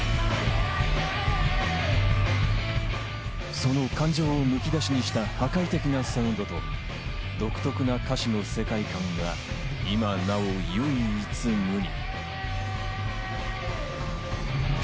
その感情をむき出しにした破壊的なサウンドと独特な歌詞の世界観は、今なお唯一無二。